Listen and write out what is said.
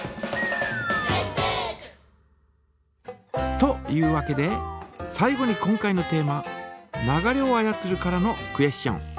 というわけで最後に今回のテーマ「流れを操る」からのクエスチョン。